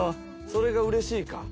それが嬉しいか。